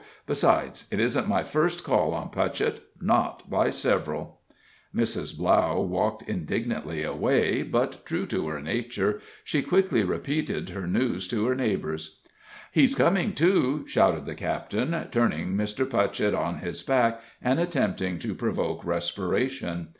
Besides, it isn't my first call on Putchett not by several." Mrs. Blough walked indignantly away, but, true to her nature, she quickly repeated her news to her neighbors. "He's coming to!" shouted the captain, turning Mr. Putchett on his back and attempting to provoke respiration.